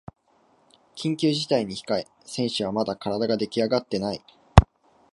緊急事態に控え選手はまだ体ができあがってない